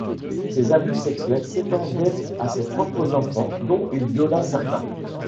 Ses abus sexuels s'étendaient à ses propres enfants dont il viola certains.